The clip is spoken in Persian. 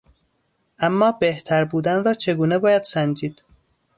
اما بهتر بودن را چگونه باید سنجید؟